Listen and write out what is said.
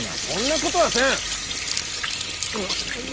そんなことはせん！